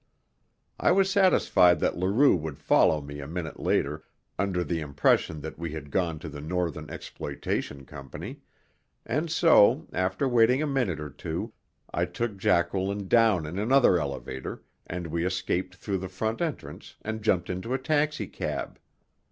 I was satisfied that Leroux would follow me a minute later, under the impression that we had gone to the Northern Exploitation Company, and so, after waiting a minute or two, I took Jacqueline down in another elevator, and we escaped through the front entrance and jumped into a taxicab.